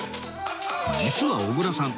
実は小倉さん